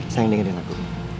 sayang dengerin aku